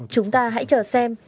chúng ta hãy chờ xem